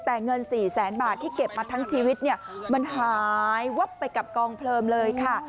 แต่เงิน๔แสนบาทที่เก็บมาทั้งชีวิตเนี่ยมันหายวับไปกับกองเพลิงเลยค่ะ